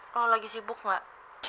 lo lagi sibuk nggak